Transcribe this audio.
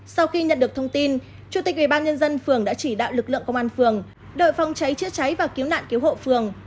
sau khi nhận được thông tin chủ tịch ubnd phường đã chỉ đạo lực lượng công an phường đội phòng cháy chữa cháy và cứu nạn cứu hộ phường